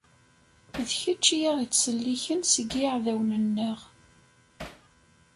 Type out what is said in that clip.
D kečč i aɣ-ittselliken seg yiɛdawen-nneɣ.